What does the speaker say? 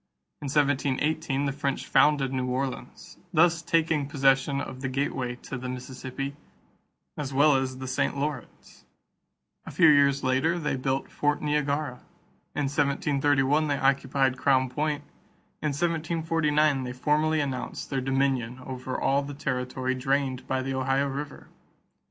In 1718, the French founded New Orleans, thus taking possession of the gateway to the Mississippi as well as the St. Lawrence. A few years later they built Fort Niagara; in 1731 they occupied Crown Point; in 1749 they formally announced their dominion over all the territory drained by the Ohio River.